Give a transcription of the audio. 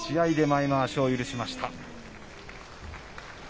前まわしを許しました。